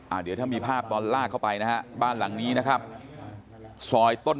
เดี๋ยวถ้ามีภาพตอนลากเข้าไปนะฮะบ้านหลังนี้นะครับซอยต้น